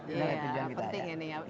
itu yang kita ingin